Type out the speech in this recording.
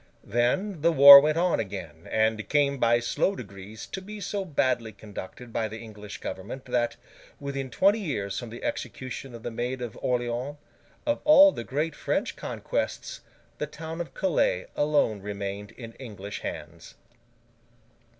Then, the war went on again, and came by slow degrees to be so badly conducted by the English government, that, within twenty years from the execution of the Maid of Orleans, of all the great French conquests, the town of Calais alone remained in English hands.